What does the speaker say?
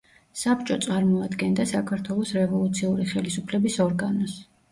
საბჭო წარმოადგენდა საქართველოს რევოლუციური ხელისუფლების ორგანოს.